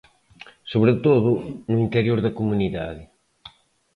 Sobre todo, no interior da comunidade.